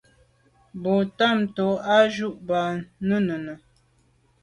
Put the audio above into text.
Bo tamtô à jù à b’a nunenùne.